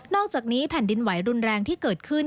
อกจากนี้แผ่นดินไหวรุนแรงที่เกิดขึ้น